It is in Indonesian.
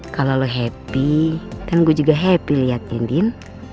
kalau lo happy kan gue juga happy liatnya dindin